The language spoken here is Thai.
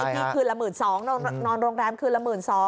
อีกทีคืนละ๑๒๐๐๐บาทนอนโรงแรมคืนละ๑๒๐๐๐บาท